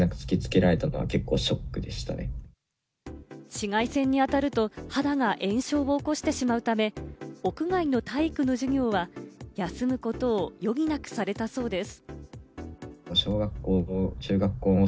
紫外線に当たると肌が炎症を起こしてしまうため、屋外の体育の授業は休むことを余儀なくされたそうです。